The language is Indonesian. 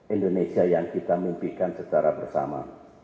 indonesia yang kita mimpikan secara bersama